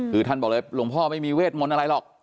คือท่านบอกเลยหลวงพ่อไม่มีเวทมนต์อะไรหรอก